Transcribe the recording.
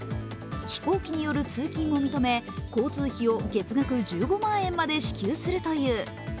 飛行機による通勤も認め、交通費を月額１５万円まで支給するという。